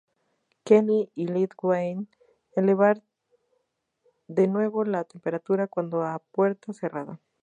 Kelly y Lil Wayne elevar de nuevo la temperatura cuando a puerta cerrada".